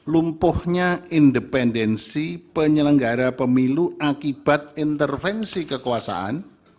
lumpuhnya independensi penyelenggara pemilu akibat intervensi kekuasaan